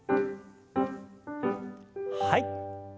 はい。